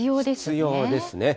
必要ですね。